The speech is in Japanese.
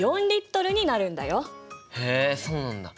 へえそうなんだ。